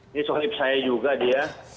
ini solid saya juga dia